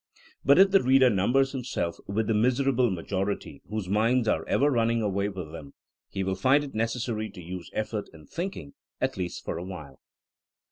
But if the reader num bers himself with the miserable majority whose minds are ever running away with them, he will find it necessary to use effort in thinking — at least for a while.